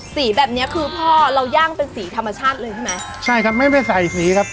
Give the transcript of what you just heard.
สีแบบเนี้ยคือพ่อเราย่างเป็นสีธรรมชาติเลยใช่ไหมใช่ครับไม่ไปใส่สีครับ